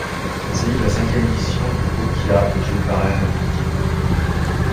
Il s'agit de la cinquième édition du boccia aux Jeux paralympiques.